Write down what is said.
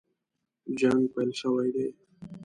جنګ پیل شوی دی.